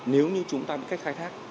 nếu như chúng ta biết cách khai thác